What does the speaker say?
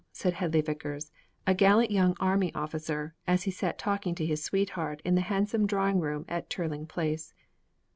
_' said Hedley Vicars, a gallant young Army officer, as he sat talking to his sweetheart in the handsome drawing room at Terling Place.